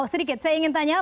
sedikit saya ingin tanya